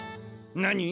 なに？